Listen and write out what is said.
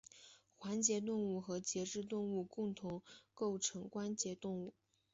环节动物和节肢动物共同构成关节动物。